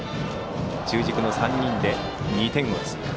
中軸の３人で２点を追加。